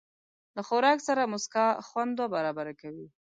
له خوراک سره موسکا، خوند دوه برابره کوي.